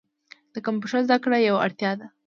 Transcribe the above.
د کمپیوټر زده کړه یوه اړتیا ده.